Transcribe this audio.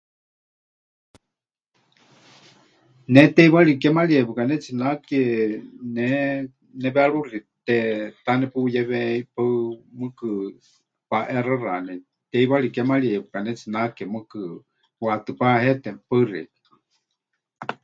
Ne teiwari kémarieya pɨkanetsinake, ne neweeruxiteta nepuyewe ʼipaɨ, mɨɨkɨ paʼexaxani, teiwari kémarieya pɨkanetsinake, mɨɨkɨ waʼaátɨ pahete. Paɨ xeikɨ́a.